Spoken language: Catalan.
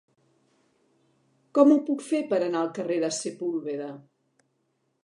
Com ho puc fer per anar al carrer de Sepúlveda?